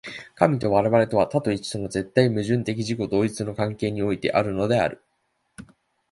神と我々とは、多と一との絶対矛盾的自己同一の関係においてあるのである。